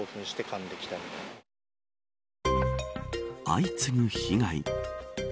相次ぐ被害。